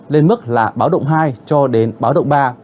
lên mức là báo động hai cho đến báo động ba